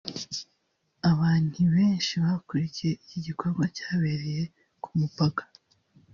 Abanti benshi bakurikiye iki gikorwa cyabereye k’umupaka